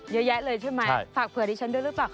เยอะแยะเลยใช่ไหมฝากเผื่อดิฉันด้วยหรือเปล่า